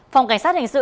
phòng cảnh sát hình sự